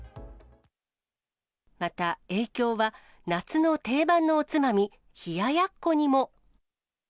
また影響は、夏の定番のおつまみ、冷ややっこにも。